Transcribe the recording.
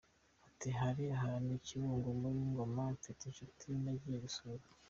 Ati “Hari ahantu i Kibungo muri Ngoma mfite inshuti nagiye gusura.